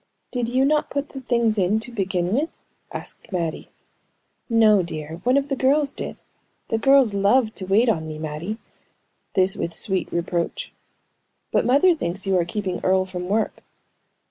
"Did you not put the things in, to begin with?" asked Mattie. "No, dear; one of the girls did. The girls loved to wait on me, Mattie!" This with sweet reproach. "But mother thinks you are keeping Earle from work."